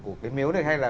hay là khu chùa này không ạ